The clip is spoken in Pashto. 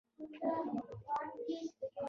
موده وشوه له کور نه یم وتلې